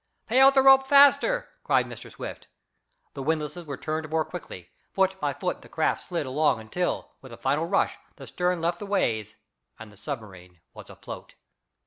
"Pay out the rope faster!" cried Mr. Swift. The windlasses were turned more quickly. Foot by foot the craft slid along until, with a final rush, the stern left the ways and the submarine was afloat.